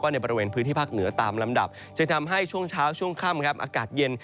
ในบริเวณพื้นที่ภาคเหนือตามลำดับจึงทำให้ช่วงเช้าช่วงค่ำอากาศเย็น